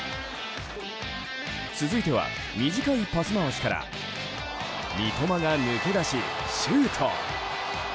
続いては短いパス回しから三笘が抜け出し、シュート！